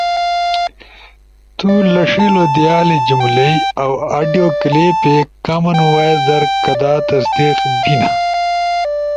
تو لݜیِلو دیالے جملئی، اؤ آڈیو کلپس کامن وائس در کدا تصدیق بینا